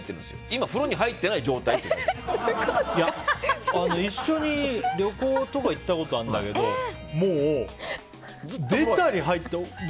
今、風呂に入ってない一緒に旅行とか行ったことあるんだけどもう、出たり入ったり。